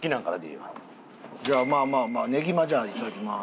じゃあまあまあまあねぎまじゃあいただきます。